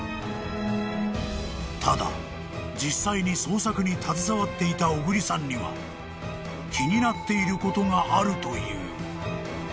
［ただ実際に捜索に携わっていた小栗さんには気になっていることがあるという］